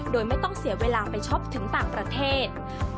โดยไม่ต้องเสียเวลาไปช็อปถึงต่างประเทศ